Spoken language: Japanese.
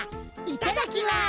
いただきます。